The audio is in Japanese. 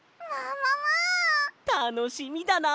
たのしみだな！